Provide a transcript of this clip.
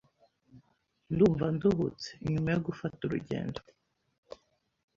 Ndumva nduhutse nyuma yo gufata urugendo.